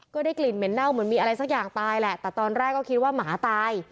ก็ได้กลิ่นเหม็นเน่าเหมือนมีอะไรสักอย่างตายแหละแต่ตอนแรกก็คิดว่าหมาตาย